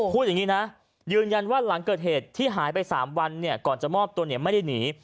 พูดอย่างนี้ยืนยันว่าหลังเกิดเหตุที่หายไป๓วันก่อนจะหม้อมตัวไม่ได้หนี